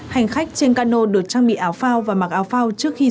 hành khách trên cano được trang bị áo phao và mặc áo phao trước khi xuất biến